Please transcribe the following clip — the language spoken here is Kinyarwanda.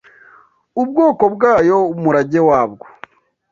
ubwoko bwayo umurage wabwo